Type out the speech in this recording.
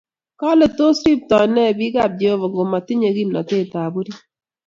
Kale tos riptoi ne bik ab Jehovah ngomatinye ngomntatet ab orit?